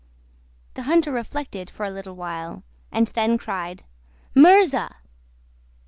The hunter reflected for a little while, and then cried, "Murza!"